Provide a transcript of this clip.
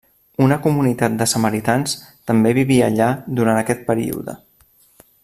Una comunitat de samaritans també vivia allà durant aquest període.